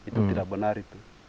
itu tidak benar itu